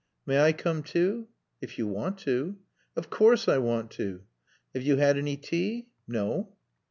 "May I come too?" "If you want to." "Of course I want to." "Have you had any tea?" "No."